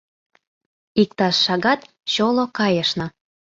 Иктаж шагат чоло кайышна.